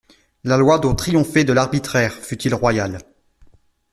La loi doit triompher de l'arbitraire, fût-il royal!